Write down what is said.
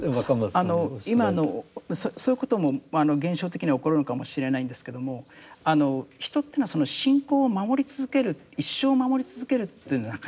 今のそういうことも現象的には起こるのかもしれないんですけども人というのは信仰を守り続ける一生守り続けるというのはなかなか難しい。